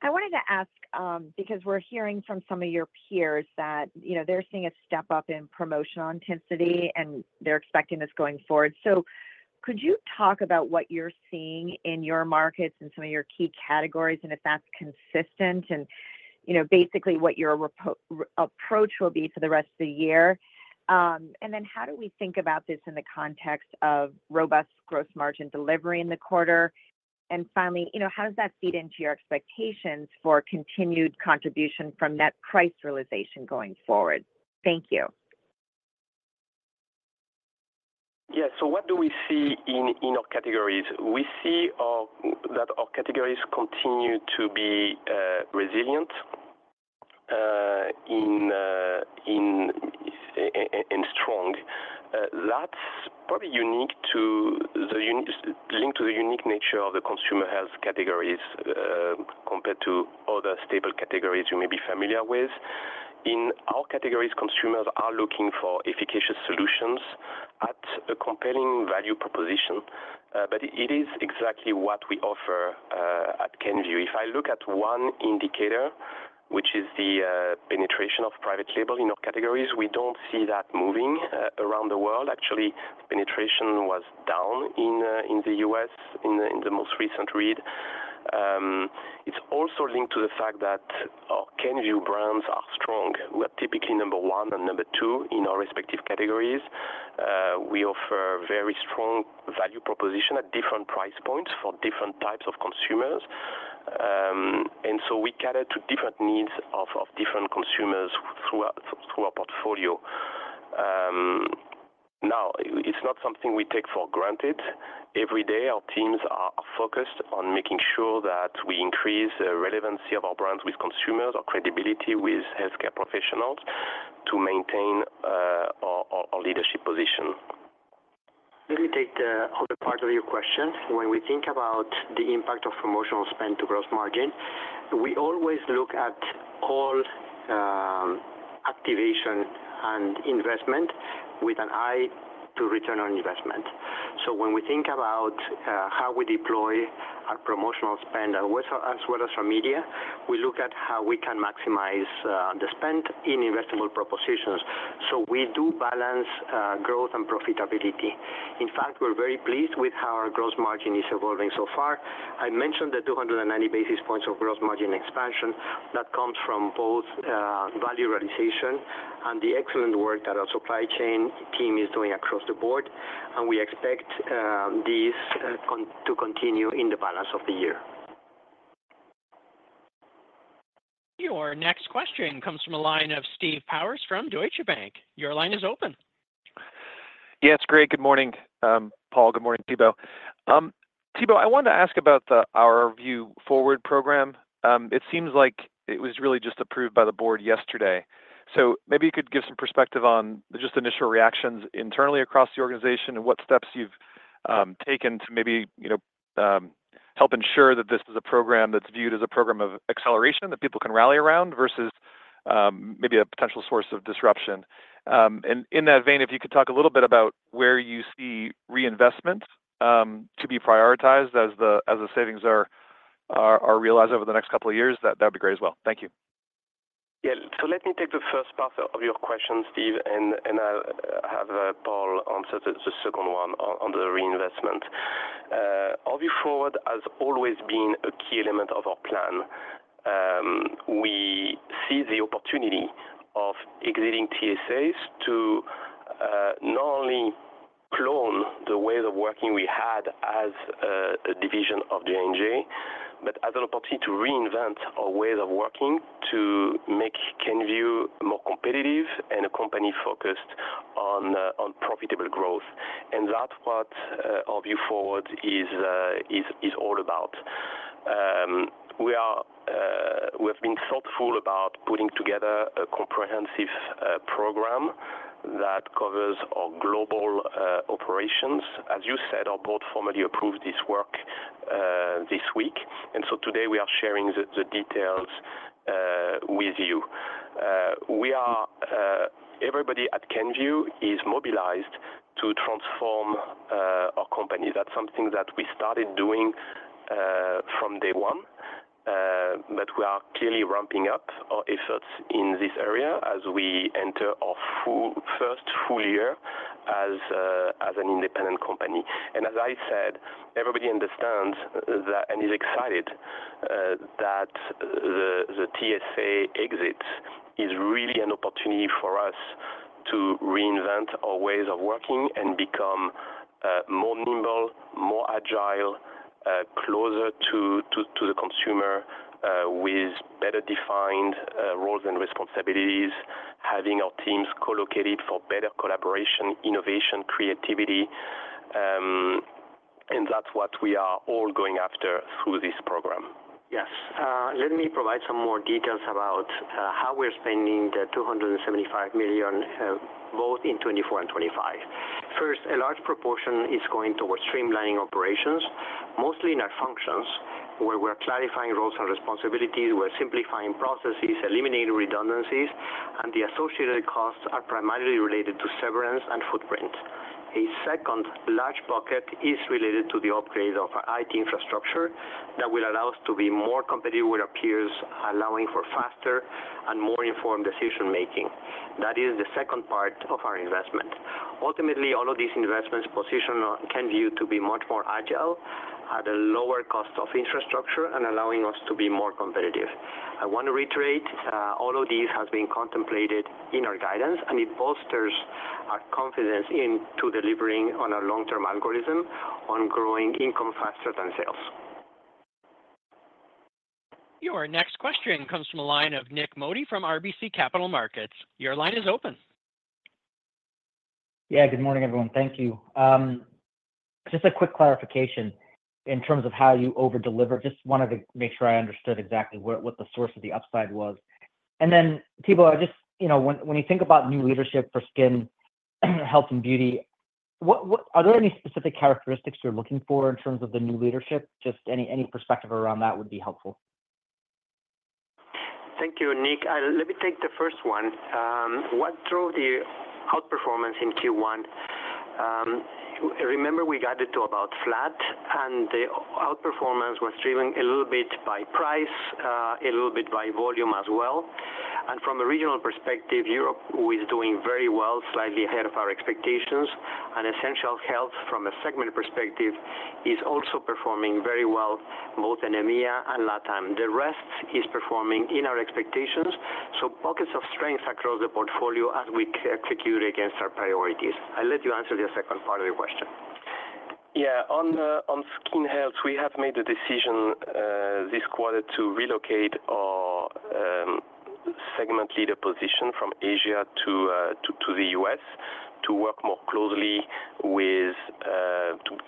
I wanted to ask, because we're hearing from some of your peers that, you know, they're seeing a step-up in promotional intensity, and they're expecting this going forward. So could you talk about what you're seeing in your markets and some of your key categories, and if that's consistent? And, you know, basically, what your approach will be for the rest of the year. And then how do we think about this in the context of robust gross margin delivery in the quarter? And finally, you know, how does that feed into your expectations for continued contribution from net price realization going forward? Thank you. Yeah. So what do we see in our categories? We see that our categories continue to be resilient in strong. That's probably unique, linked to the unique nature of the consumer health categories, compared to other stable categories you may be familiar with. In our categories, consumers are looking for efficacious solutions at a compelling value proposition, but it is exactly what we offer at Kenvue. If I look at one indicator, which is the penetration of private label in our categories, we don't see that moving around the world. Actually, penetration was down in the U.S. in the most recent read. It's also linked to the fact that our Kenvue brands are strong. We're typically number one and number two in our respective categories. We offer very strong value proposition at different price points for different types of consumers. And so we cater to different needs of different consumers through our portfolio. Now it's not something we take for granted. Every day, our teams are focused on making sure that we increase the relevancy of our brands with consumers, our credibility with healthcare professionals, to maintain our leadership position. Let me take the other part of your question. When we think about the impact of promotional spend to gross margin, we always look at all, activation and investment with an eye to return on investment.... So when we think about how we deploy our promotional spend with as well as our media, we look at how we can maximize the spend in investable propositions. So we do balance growth and profitability. In fact, we're very pleased with how our gross margin is evolving so far. I mentioned the 290 basis points of gross margin expansion that comes from both value realization and the excellent work that our supply chain team is doing across the board, and we expect this to continue in the balance of the year. Your next question comes from the line of Steve Powers from Deutsche Bank. Your line is open. Yeah, it's great. Good morning, Paul. Good morning, Thibaut. Thibaut, I wanted to ask about the Our View Forward program. It seems like it was really just approved by the board yesterday. So maybe you could give some perspective on just initial reactions internally across the organization and what steps you've taken to maybe, you know, help ensure that this is a program that's viewed as a program of acceleration that people can rally around versus maybe a potential source of disruption. And in that vein, if you could talk a little bit about where you see reinvestment to be prioritized as the savings are realized over the next couple of years, that'd be great as well. Thank you. Yeah. So let me take the first part of your question, Steve, and I'll have Paul answer the second one on the reinvestment. Our View Forward has always been a key element of our plan. We see the opportunity of exiting TSAs to not only clone the way of working we had as a division of J&J, but as an opportunity to reinvent our ways of working, to make Kenvue more competitive and a company focused on profitable growth. And that's what Our View Forward is all about. We have been thoughtful about putting together a comprehensive program that covers our global operations. As you said, our board formally approved this work this week, and so today we are sharing the details with you. We are everybody at Kenvue is mobilized to transform our company. That's something that we started doing from day one, but we are clearly ramping up our efforts in this area as we enter our first full year as an independent company. And as I said, everybody understands that and is excited that the TSA exit is really an opportunity for us to reinvent our ways of working and become more nimble, more agile, closer to the consumer with better defined roles and responsibilities, having our teams co-located for better collaboration, innovation, creativity, and that's what we are all going after through this program. Yes. Let me provide some more details about how we're spending the $275 million both in 2024 and 2025. First, a large proportion is going towards streamlining operations, mostly in our functions, where we're clarifying roles and responsibilities. We're simplifying processes, eliminating redundancies, and the associated costs are primarily related to severance and footprint. A second large bucket is related to the upgrade of our IT infrastructure that will allow us to be more competitive with our peers, allowing for faster and more informed decision making. That is the second part of our investment. Ultimately, all of these investments position Kenvue to be much more agile at a lower cost of infrastructure and allowing us to be more competitive. I want to reiterate, all of this has been contemplated in our guidance, and it bolsters our confidence into delivering on our long-term algorithm on growing income faster than sales. Your next question comes from a line of Nik Modi from RBC Capital Markets. Your line is open. Yeah, good morning, everyone. Thank you. Just a quick clarification in terms of how you over-deliver. Just wanted to make sure I understood exactly where- what the source of the upside was. Then, Thibaut, I just... You know, when you think about new leadership for Skin Health and Beauty, what- are there any specific characteristics you're looking for in terms of the new leadership? Just any perspective around that would be helpful. Thank you, Nick. Let me take the first one. What drove the outperformance in Q1? Remember we guided to about flat, and the outperformance was driven a little bit by price, a little bit by volume as well. From a regional perspective, Europe is doing very well, slightly ahead of our expectations. Essential Health, from a segment perspective, is also performing very well, both in EMEA and LATAM. The rest is performing in our expectations, so pockets of strength across the portfolio as we execute against our priorities. I'll let you answer the second part of your question. Yeah. On Skin Health, we have made the decision this quarter to relocate our segment leader position from Asia to the U.S., to work more closely with,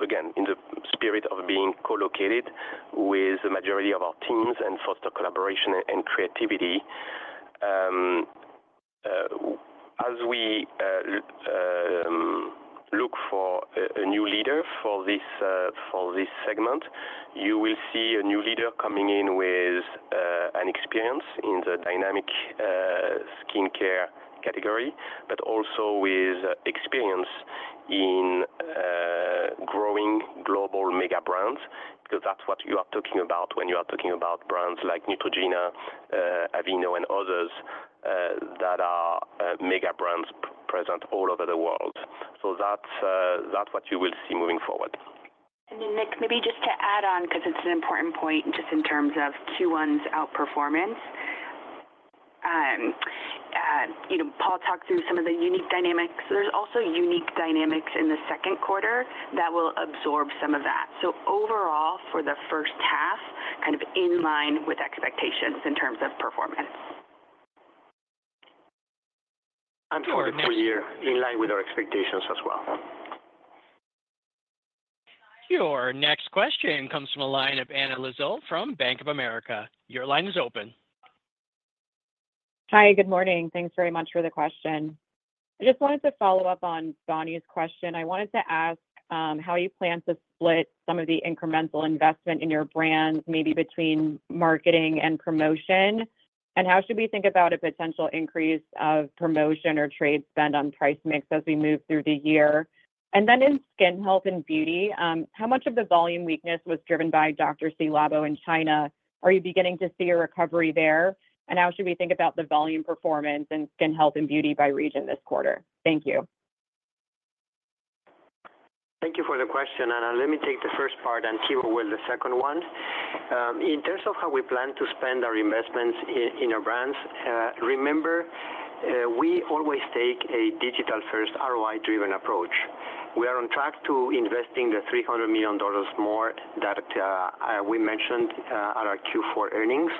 again, in the spirit of being co-located with the majority of our teams and foster collaboration and creativity. As we look for a new leader for this segment, you will see a new leader coming in with... and experience in the dynamic, skincare category, but also with experience in, growing global mega brands, because that's what you are talking about when you are talking about brands like Neutrogena, Aveeno, and others, that are, mega brands present all over the world. So that's, that's what you will see moving forward. And then, Nik, maybe just to add on, because it's an important point, just in terms of Q1's outperformance. You know, Paul talked through some of the unique dynamics. There's also unique dynamics in the Q2 that will absorb some of that. So overall, for the H1, kind of in line with expectations in terms of performance. For the full year, in line with our expectations as well. Your next question comes from the line of Anna Lizzul from Bank of America. Your line is open. Hi, good morning. Thanks very much for the question. I just wanted to follow up on Donnie's question. I wanted to ask, how you plan to split some of the incremental investment in your brands, maybe between marketing and promotion, and how should we think about a potential increase of promotion or trade spend on price mix as we move through the year? And then in skin health and beauty, how much of the volume weakness was driven by Dr. Ci:Labo in China? Are you beginning to see a recovery there? And how should we think about the volume performance in skin health and beauty by region this quarter? Thank you. Thank you for the question, Anna. Let me take the first part, and Thibaut with the second one. In terms of how we plan to spend our investments in, in our brands, remember, we always take a digital-first, ROI-driven approach. We are on track to investing the $300 million more that, we mentioned, at our Q4 earnings.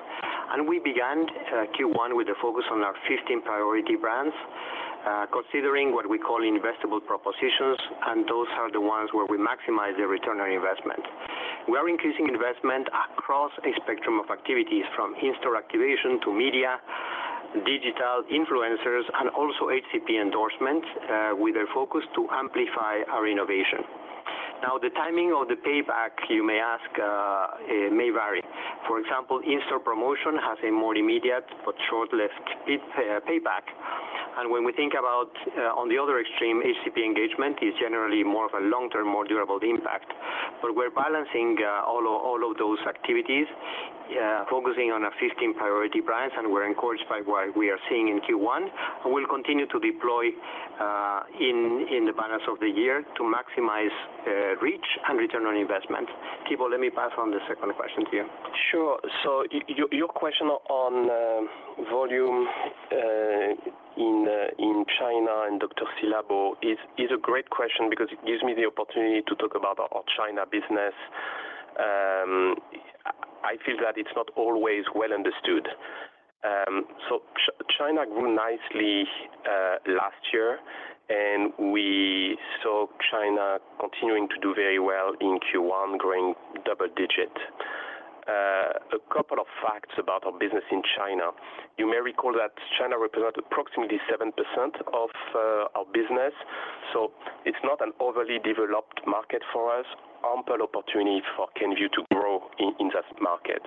And we began Q1 with a focus on our 15 priority brands, considering what we call investable propositions, and those are the ones where we maximize the return on investment. We are increasing investment across a spectrum of activities, from in-store activation to media, digital influencers, and also HCP endorsements, with a focus to amplify our innovation. Now, the timing of the payback, you may ask, it may vary. For example, in-store promotion has a more immediate but short-lived pay, payback. When we think about on the other extreme, HCP engagement is generally more of a long-term, more durable impact. But we're balancing all of those activities, focusing on our 15 priority brands, and we're encouraged by what we are seeing in Q1, and we'll continue to deploy in the balance of the year to maximize reach and return on investment. Thibaut, let me pass on the second question to you. Sure. So your question on volume in China and Dr. Ci:Labo is a great question because it gives me the opportunity to talk about our China business. I feel that it's not always well understood. So China grew nicely last year, and we saw China continuing to do very well in Q1, growing double digit. A couple of facts about our business in China. You may recall that China represent approximately 7% of our business, so it's not an overly developed market for us. Ample opportunity for Kenvue to grow in that market.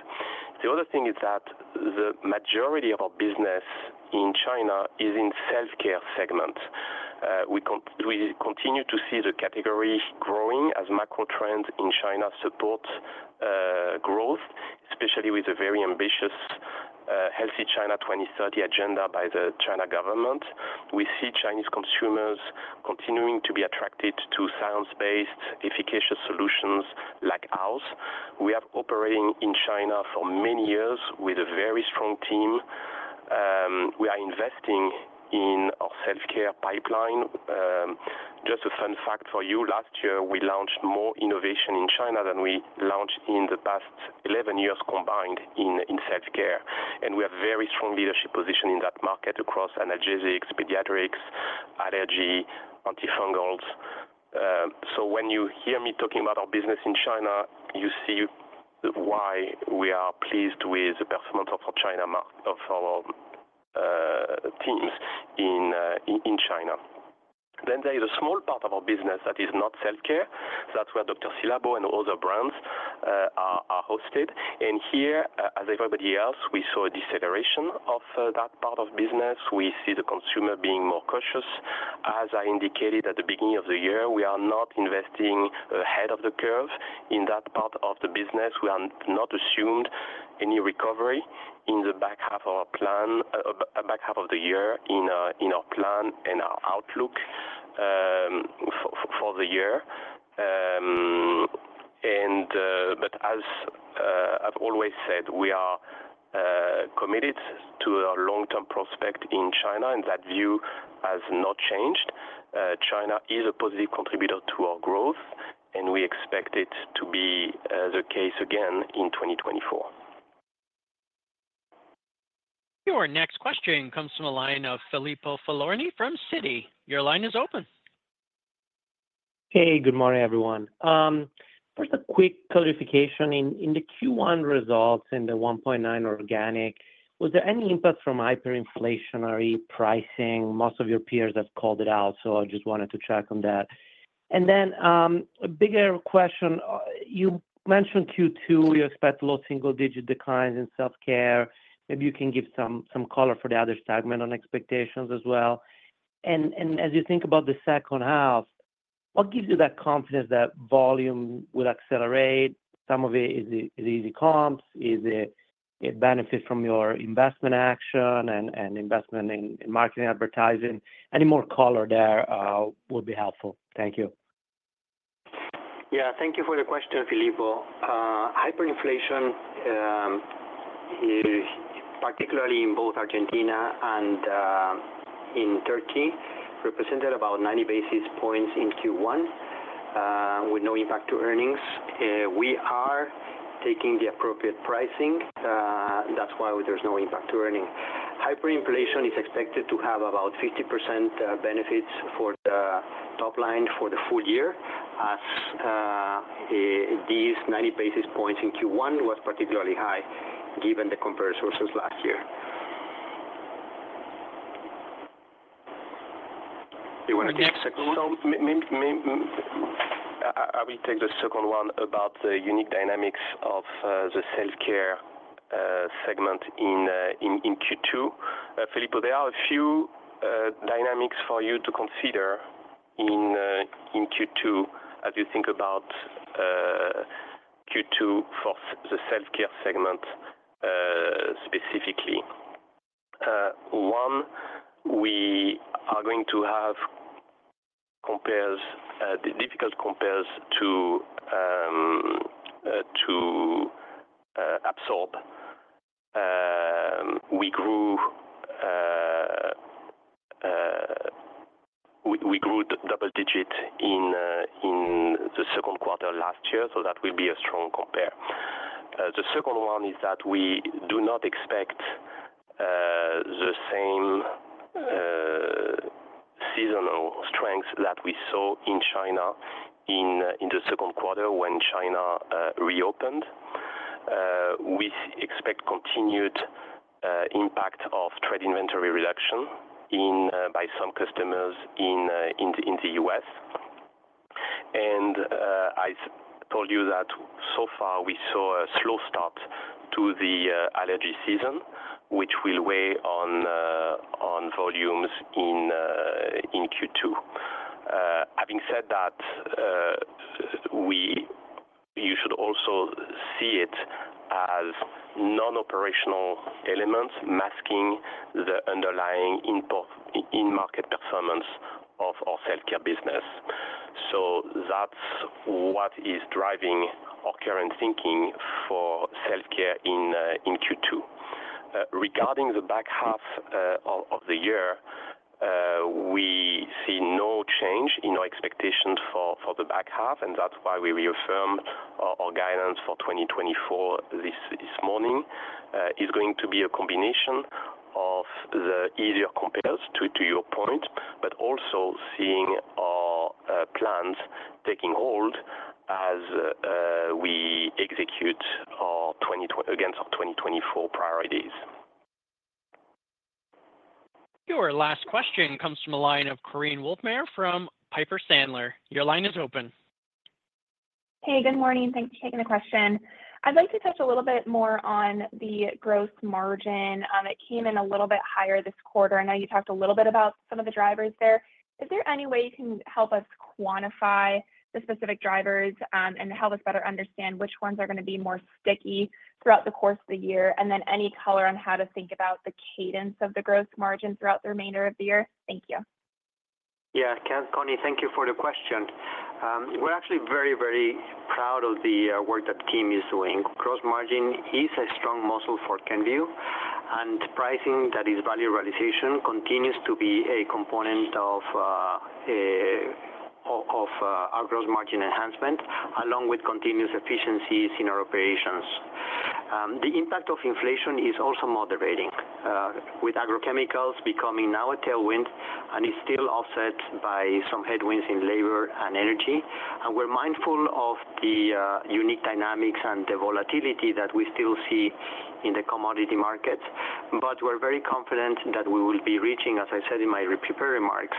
The other thing is that the majority of our business in China is in self-care segment. We continue to see the category growing as macro trends in China support growth, especially with a very ambitious Healthy China 2030 agenda by the Chinese government. We see Chinese consumers continuing to be attracted to science-based, efficacious solutions like ours. We are operating in China for many years with a very strong team. We are investing in our self-care pipeline. Just a fun fact for you, last year, we launched more innovation in China than we launched in the past 11 years combined in self-care, and we have very strong leadership position in that market across analgesics, pediatrics, allergy, antifungals. So when you hear me talking about our business in China, you see why we are pleased with the performance of our teams in China. Then there is a small part of our business that is not self-care. That's where Dr. Ci:Labo and other brands are hosted. And here, as everybody else, we saw a deceleration of that part of business. We see the consumer being more cautious. As I indicated at the beginning of the year, we are not investing ahead of the curve in that part of the business. We are not assumed any recovery in the back half of our plan, back half of the year, in our plan and our outlook, for the year. And but as I've always said, we are committed to our long-term prospect in China, and that view has not changed. China is a positive contributor to our growth, and we expect it to be the case again in 2024. Your next question comes from the line of Filippo Falorni from Citi. Your line is open. Hey, good morning, everyone. First, a quick clarification. In the Q1 results, in the 1.9 organic, was there any impact from hyperinflationary pricing? Most of your peers have called it out, so I just wanted to check on that.... And then, a bigger question. You mentioned Q2, you expect low single-digit declines in self-care. Maybe you can give some color for the other segment on expectations as well. And as you think about the H2, what gives you that confidence that volume will accelerate? Some of it is easy comps, is it benefits from your investment action and investment in marketing advertising. Any more color there will be helpful. Thank you. Yeah, thank you for the question, Filippo. Hyperinflation is particularly in both Argentina and in Turkey, represented about 90 basis points in Q1, with no impact to earnings. We are taking the appropriate pricing, that's why there's no impact to earnings. Hyperinflation is expected to have about 50% benefits for the top line for the full year, as these 90 basis points in Q1 was particularly high, given the compare sources last year. You wanna take the second one? So I will take the second one about the unique dynamics of the self-care segment in Q2. Filippo, there are a few dynamics for you to consider in Q2, as you think about Q2 for the self-care segment specifically. One, we are going to have compares, difficult compares to absorb. We grew double-digit in the Q2 last year, so that will be a strong compare. The second one is that we do not expect the same seasonal strength that we saw in China in the Q2 when China reopened. We expect continued impact of trade inventory reduction by some customers in the U.S. I told you that so far, we saw a slow start to the allergy season, which will weigh on volumes in Q2. Having said that, you should also see it as non-operational elements masking the underlying improvement in market performance of our self-care business. So that's what is driving our current thinking for self-care in Q2. Regarding the back half of the year, we see no change in our expectations for the back half, and that's why we reaffirmed our guidance for 2024 this morning. It's going to be a combination of the easier compares to your point, but also seeing our plans taking hold as we execute our 2024 against our 2024 priorities. Your last question comes from the line of Korinne Wolfmeyer from Piper Sandler. Your line is open. Hey, good morning, thanks for taking the question. I'd like to touch a little bit more on the gross margin. It came in a little bit higher this quarter. I know you talked a little bit about some of the drivers there. Is there any way you can help us quantify the specific drivers, and help us better understand which ones are gonna be more sticky throughout the course of the year? And then any color on how to think about the cadence of the gross margin throughout the remainder of the year. Thank you. Yeah, Korinne, thank you for the question. We're actually very, very proud of the work that the team is doing. Gross margin is a strong muscle for Kenvue, and pricing, that is value realization, continues to be a component of our gross margin enhancement, along with continuous efficiencies in our operations. The impact of inflation is also moderating, with agrochemicals becoming now a tailwind, and is still offset by some headwinds in labor and energy. We're mindful of the unique dynamics and the volatility that we still see in the commodity markets. But we're very confident that we will be reaching, as I said in my prepared remarks,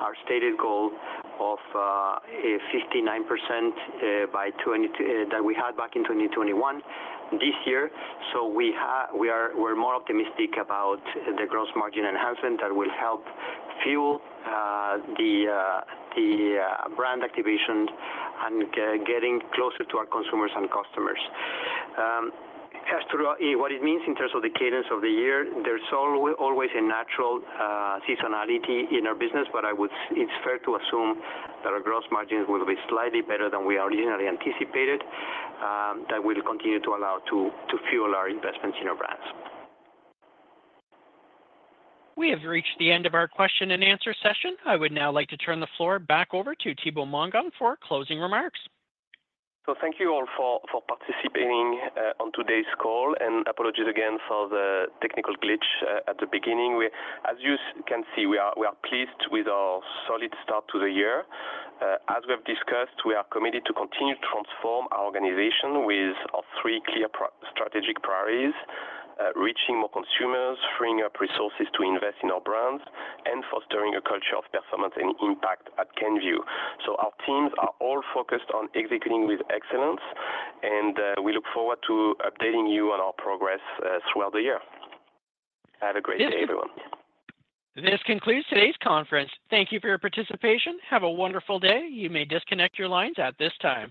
our stated goal of a 59%, by 2024 that we had back in 2021 this year. So we're more optimistic about the gross margin enhancement that will help fuel the brand activation and getting closer to our consumers and customers. As to what it means in terms of the cadence of the year, there's always a natural seasonality in our business, but it's fair to assume that our gross margins will be slightly better than we originally anticipated, that will continue to allow to fuel our investments in our brands. We have reached the end of our question and answer session. I would now like to turn the floor back over to Thibaut Mongon for closing remarks. So thank you all for participating on today's call, and apologies again for the technical glitch at the beginning. As you can see, we are pleased with our solid start to the year. As we have discussed, we are committed to continue to transform our organization with our three clear strategic priorities: reaching more consumers, freeing up resources to invest in our brands, and fostering a culture of performance and impact at Kenvue. Our teams are all focused on executing with excellence, and we look forward to updating you on our progress throughout the year. Have a great day, everyone. This concludes today's conference. Thank you for your participation. Have a wonderful day. You may disconnect your lines at this time.